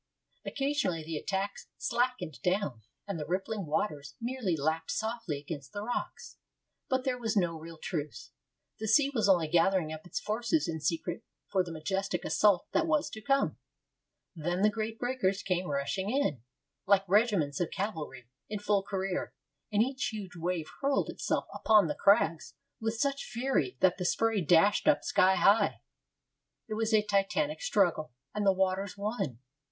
Occasionally the attack slackened down, and the rippling waters merely lapped softly against the rocks. But there was no real truce. The sea was only gathering up its forces in secret for the majestic assault that was to come. Then the great breakers came rushing in, like regiments of cavalry in full career, and each huge wave hurled itself upon the crags with such fury that the spray dashed up sky high. It was a titanic struggle, and the waters won.